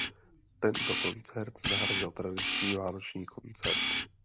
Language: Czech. Tento koncert nahradil tradiční Vánoční koncert.